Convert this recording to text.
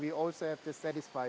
kita juga harus memuatkan